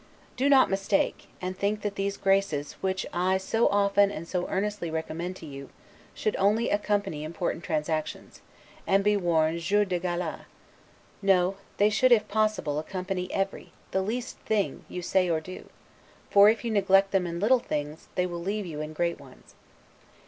Do not mistake, and think that these graces which I so often and so earnestly recommend to you, should only accompany important transactions, and be worn only 'les jours de gala'; no, they should, if possible, accompany every, the least thing you do or say; for, if you neglect them in little things, they will leave you in great ones.